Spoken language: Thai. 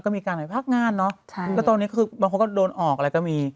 ก็มีการไปพักงานเนอะแล้วตอนนี้คือบางคนก็โดนออกอะไรก็มี